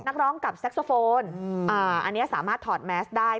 นักร้องกับแซ็กโซโฟนอันนี้สามารถถอดแมสได้